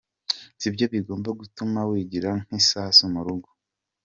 sibyo bigomba gutuma wigira nk’isasu mu rugo.